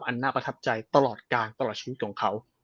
อันน่าประทับใจตลอดกาลตลอดชีวิตของเขา